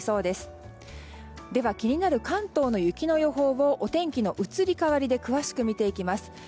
では気になる関東の雪の予報をお天気の移り変わりで詳しく見ていきます。